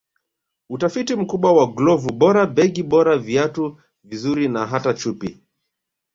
Utafiti mkubwa wa glovu bora begi bora viatu vizuri na hata chupi